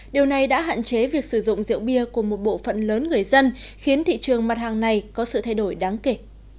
điều này đã hạn chế việc sử dụng rượu bia của một bộ phận lớn người dân khiến thị trường mặt hàng này có sự thay đổi đáng kể